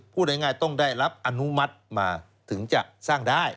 พูดง่ายต้องได้รับอนุมัติมาถึงจะสร้างได้